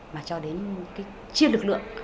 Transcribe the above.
mà cho đến chia lực lượng